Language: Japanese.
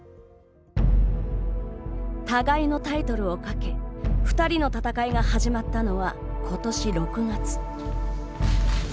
互いのタイトルを懸け二人の戦いが始まったのはことし６月。